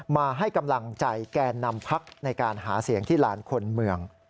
มาให้กำลังใจแก่นำพักในการหาเสียงที่ลานคนเมือง